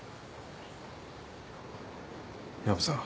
薮さん。